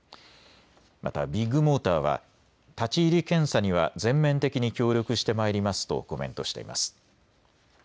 またビッグモーターは立ち入り検査には全面的に協力してまいりますとコメントしています。